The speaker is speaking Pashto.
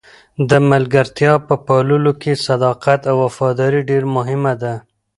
د ملګرتیا په پاللو کې صداقت او وفاداري ډېره مهمه ده.